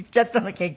結局。